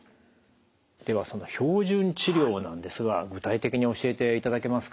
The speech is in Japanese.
ではその標準治療なんですが具体的に教えていただけますか？